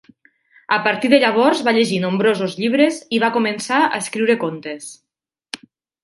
A partir de llavors va llegir nombrosos llibres i va començar a escriure contes.